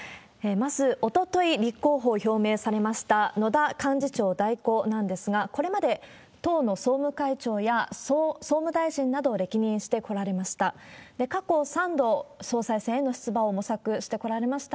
まず、おととい立候補を表明されました野田幹事長代行なんですが、これまで、党の総務会長や総務大臣などを歴任してこられました。